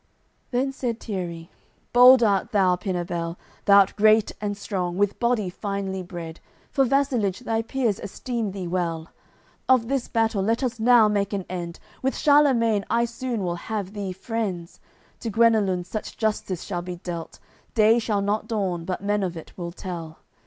AOI. CCLXXXIV Then said Tierri "Bold art thou, Pinabel, Thou'rt great and strong, with body finely bred; For vassalage thy peers esteem thee well: Of this battle let us now make an end! With Charlemagne I soon will have thee friends; To Guenelun such justice shall be dealt Day shall not dawn but men of it will tell."